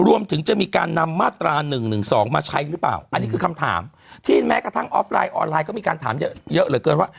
รวมถึงจะมีการนำมาตรา๑๑๒มาใช้หรือเปล่าอันนี้คือคำถามที่แม้กระทั่งออฟไลน์ออนไลน์ก็มีการถามเยอะเหลือเกินว่า